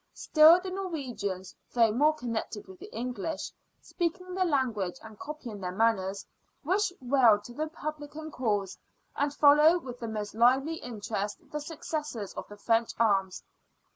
Still the Norwegians, though more connected with the English, speaking their language and copying their manners, wish well to the Republican cause, and follow with the most lively interest the successes of the French arms.